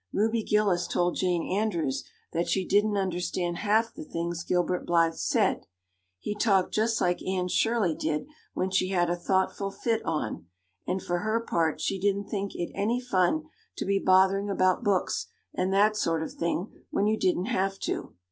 Ruby Gillis told Jane Andrews that she didn't understand half the things Gilbert Blythe said; he talked just like Anne Shirley did when she had a thoughtful fit on and for her part she didn't think it any fun to be bothering about books and that sort of thing when you didn't have to.